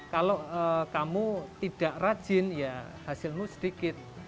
kalau kamu tidak rajin ya hasilmu sedikit